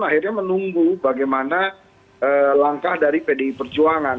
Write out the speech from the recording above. akhirnya menunggu bagaimana langkah dari pdi perjuangan